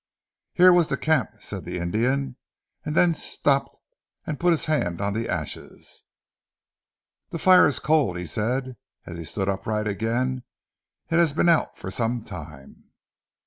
"Here was the camp," said the Indian, and then stopped and put his hand on the ashes. "The fire is cold," he said, as he stood upright again. "It has been out for some time."